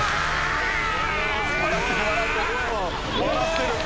笑ってる！